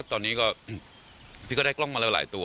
ตอนนี้ก็พี่ก็ได้กล้องมาแล้วหลายตัว